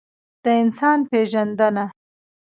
د انسان پېژندنه.